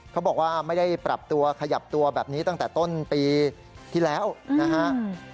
เขาบอกว่าไม่ได้ปรับตัวขยับตัวแบบนี้ตั้งแต่ต้นปีที่แล้วนะฮะ